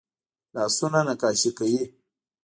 لاسونه نقاشي کوي